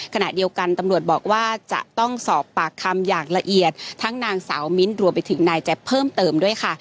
ขณะเดียวกันตำรวจบอกว่าจะต้องสอบปากคำอย่างละเอียดทั้งนางสาวมิ้นรวมไปถึงนายแจ๊บเพิ่มเติมด้วยค่ะ